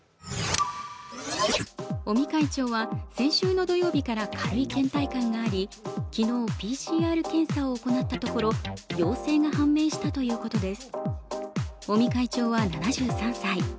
尾身会長は先週の土曜日から軽いけん怠感があり、昨日、ＰＣＲ検査を行ったところ陽性が判明したということです。